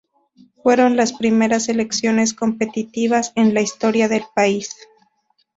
Fueron las primeras elecciones competitivas en la historia del país.